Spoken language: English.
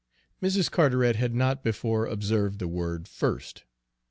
Mrs. Carteret had not before observed the word "first."